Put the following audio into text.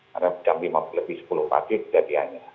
karena lebih sepuluh pagi kejadiannya